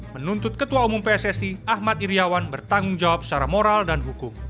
menuntut ketua umum pssi ahmad iryawan bertanggung jawab secara moral dan hukum